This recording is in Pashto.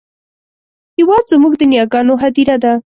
هېواد زموږ د نیاګانو هدیره ده